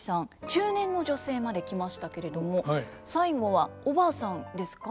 中年の女性まで来ましたけれども最後はおばあさんですか？